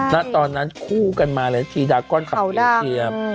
แต่ตอนนั้นคู่กันมาแล้วชีดากอนขับเอเชียม